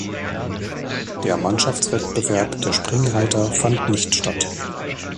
Der Mannschaftswettbewerb der Springreiter fand nicht statt.